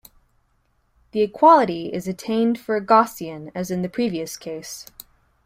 The equality is attained for a Gaussian, as in the previous case.